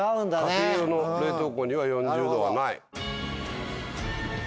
家庭用の冷凍庫には４０℃はない。